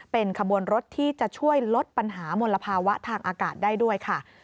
เป็นขบวนรถที่จะช่วยลดปัญหามลภาวะทางอากาศได้ด้วยค่ะ